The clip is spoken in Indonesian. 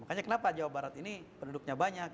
makanya kenapa jawa barat ini penduduknya banyak